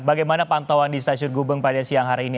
bagaimana pantauan di stasiun gubeng pada siang hari ini